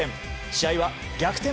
試合は逆転